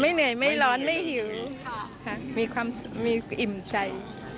เหนื่อยไม่ร้อนไม่หิวมีความมีอิ่มใจ